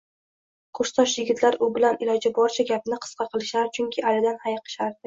Kursdosh yigitlar u bilan iloji boricha gapni qisqa qilishar, chunki Alidan hayiqishardi